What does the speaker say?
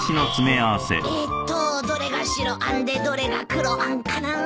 えっとどれが白あんでどれが黒あんかなぁ。